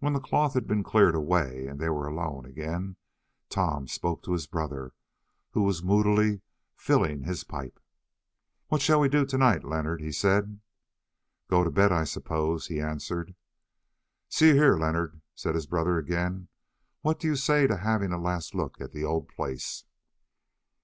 When the cloth had been cleared away and they were alone again, Tom spoke to his brother, who was moodily filling his pipe. "What shall we do to night, Leonard?" he said. "Go to bed, I suppose," he answered. "See here, Leonard," said his brother again, "what do you say to having a last look at the old place?"